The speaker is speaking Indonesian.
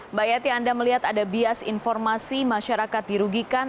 mbak yati anda melihat ada bias informasi masyarakat dirugikan